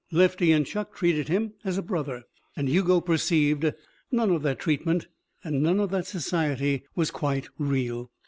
Lefty and Chuck treated him as a brother. And, Hugo perceived, none of that treatment and none of that society was quite real.